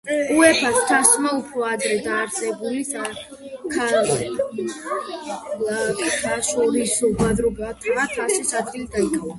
უეფა-ს თასმა უფრო ადრე დაარსებული საქალაქთაშორისო ბაზრობათა თასის ადგილი დაიკავა.